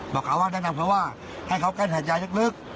บอกเขาว่าดังนั้นเพราะว่าให้เขาแก้นหายใจนักลึก